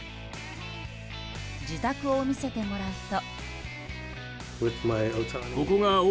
自宅を見せてもらうと。